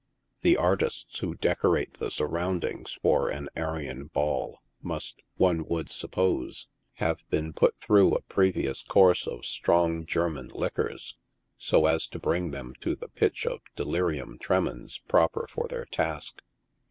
The artists who decorate the surroundings for an Arion Ball must, one would 'Sup pose, have been put through a previous course of strong German liquors, so as to bring them to the pitch of delirium tremens proper for their task.